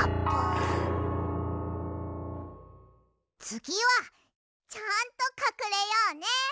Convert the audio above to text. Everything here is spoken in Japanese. つぎはちゃんとかくれようね。